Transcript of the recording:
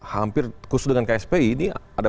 hampir khusus dengan kspi ini ada